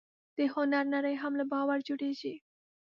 د هنر نړۍ هم له باور جوړېږي.